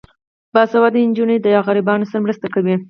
باسواده نجونې د غریبانو سره مرسته کوي.